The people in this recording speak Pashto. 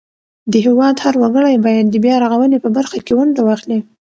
د هیواد هر وګړی باید د بیارغونې په برخه کې ونډه واخلي.